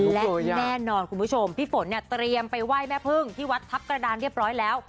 และที่แน่นอนคุณผู้ชมพี่ฝนเนี่ยเตรียมไปไหว้แม่พึ่งที่วัดทัพกระดานเรียบร้อยแล้ว